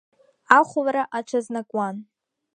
Ахәлара аҽазнакуан.